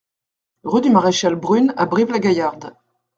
Rue du Maréchal Brune à Brive-la-Gaillarde